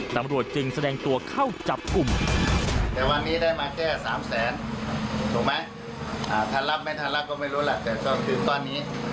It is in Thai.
ตำรวจจริงแสดงตัวเข้าจับกลุ่ม